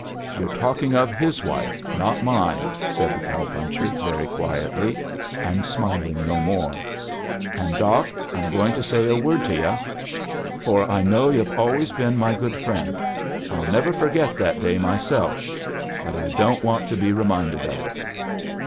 "You're talk ing of fiis wife, not mine," said tfie cow puncher, very quietly, and smiling no more; "and. Doc, I'm going to say a word to yti*, for I know yo've always been my good friend, m never forget that day myself — but I don't want to be reminded of it."